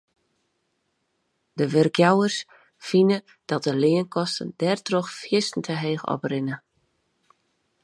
De wurkjouwers fine dat de leankosten dêrtroch fierstente heech oprinne.